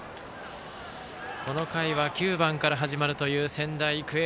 この回は９番から始まるという仙台育英。